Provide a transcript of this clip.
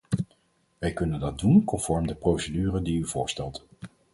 Wij kunnen dat doen conform de procedure die u voorstelt.